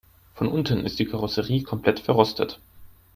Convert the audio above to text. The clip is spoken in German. Von unten ist die Karosserie komplett verrostet.